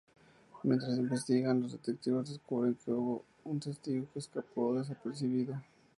Mientras investigan, los detectives descubren que hubo un testigo que escapó desapercibido.